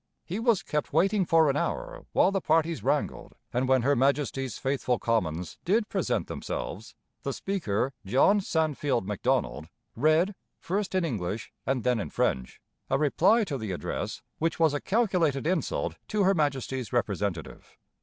He was kept waiting for an hour while the parties wrangled, and when Her Majesty's faithful Commons did present themselves, the Speaker, John Sandfield Macdonald, read, first in English and then in French, a reply to the Address which was a calculated insult to Her Majesty's representative.